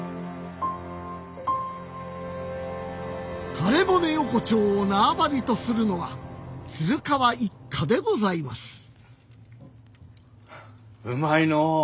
枯骨横丁を縄張りとするのは鶴川一家でございますうまいのう！